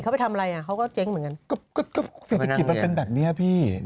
เราไม่ได้กินกงพันเราเป็นใบนี้อ่าพี่